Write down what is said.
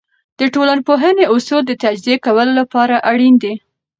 د ټولنپوهنې اصول د تجزیه کولو لپاره اړین دي.